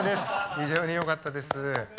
非常によかったです。